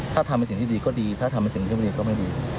ถ้าทำเป็นสิ่งที่ดีก็ดีถ้าทำเป็นสิ่งที่ไม่ดีก็ไม่ดี